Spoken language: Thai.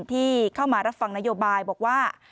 ที่เข้ามารับฟังนโยบายบอกว่า